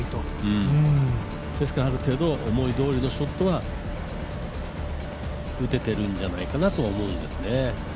ある程度、思い通りのショットは打ててるんじゃないかなと思うんですね。